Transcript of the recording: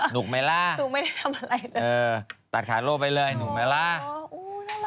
หนุกไหมล่ะเออตัดขาดโลกไปเลยหนุกไหมล่ะโอ้น่ารัก